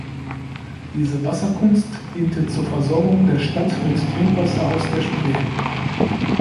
Diese Wasserkunst diente zur Versorgung der Stadt mit Trinkwasser aus der Spree.